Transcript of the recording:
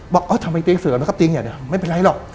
บอกเออทำไมเตียงเสริมนะครับเตียงใหญ่เดี๋ยวไม่เป็นไรหรอก